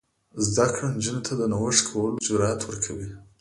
زده کړه نجونو ته د نوښت کولو جرات ورکوي.